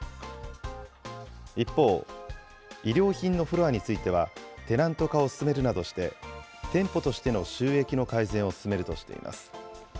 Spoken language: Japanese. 一方、衣料品のフロアについては、テナント化を進めるなどして、店舗としての収益の改善を進めるとしています。